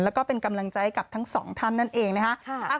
แล้วก็เป็นกำลังใจกับทั้งสองท่านนั่นเองนะคะ